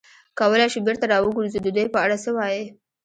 کولای شو بېرته را وګرځو، د دوی په اړه څه وایې؟